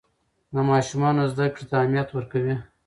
د ماشومانو زده کړې ته اهمیت ورکوي.